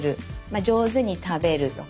上手に食べるとか。